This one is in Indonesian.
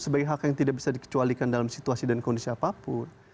sebagai hak yang tidak bisa dikecualikan dalam situasi dan kondisi apapun